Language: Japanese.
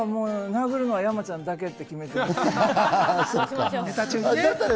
殴るのは山ちゃんだけって。